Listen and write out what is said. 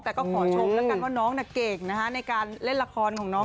แต่ก็ขอชมกันกับน้องนักเก่งนะคะในการเล่นละครของน้อง